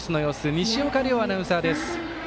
西岡遼アナウンサーです。